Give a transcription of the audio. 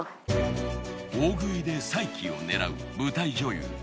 大食いで再起を狙う舞台女優